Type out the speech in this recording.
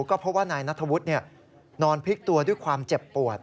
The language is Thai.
ก็เพราะว่านายนัทธวุฒินอนพลิกตัวด้วยความเจ็บปวด